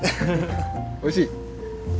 おいしい？